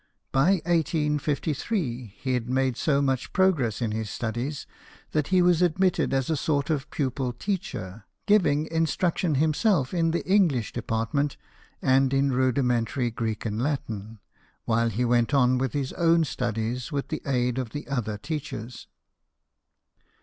By 1853, he had made so much progress in his studies that he was admitted as a sort of pupil teacher, giving instruction himself in the Eng lish department and in rudimentary Greek and Latin, while he went on with his own studies with the aid of the other teachers.